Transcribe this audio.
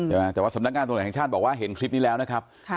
ใช่ไหมแต่ว่าสำนักงานตำรวจแห่งชาติบอกว่าเห็นคลิปนี้แล้วนะครับ